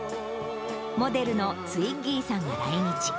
モデルのツイッギーさんが来日。